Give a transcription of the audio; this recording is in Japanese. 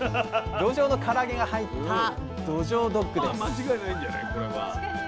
どじょうのから揚げが入った「どじょうドッグ」です！